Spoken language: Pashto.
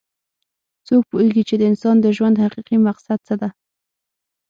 څوک پوهیږي چې د انسان د ژوند حقیقي مقصد څه ده